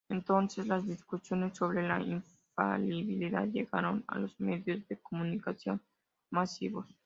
Entonces, las discusiones sobre la infalibilidad llegaron a los medios de comunicación masivos.